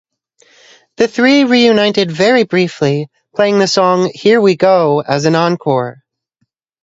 The three reunited very briefly, playing the song "Here We Go" as an encore.